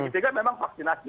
kedua memang vaksinasi